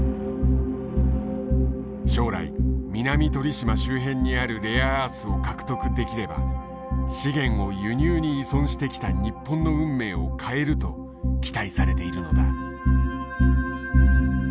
将来南鳥島周辺にあるレアアースを獲得できれば資源を輸入に依存してきた日本の運命を変えると期待されているのだ。